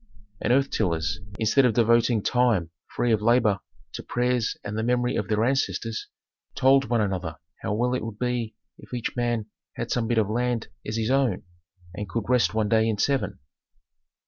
And earth tillers, instead of devoting time free of labor to prayers and the memory of their ancestors, told one another how well it would be if each man had some bit of land as his own, and could rest one day in seven.